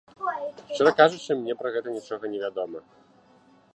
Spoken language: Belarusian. Шчыра кажучы, мне пра гэта нічога не вядома.